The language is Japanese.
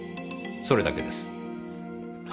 それだけです。